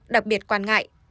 đặc biệt quan ngại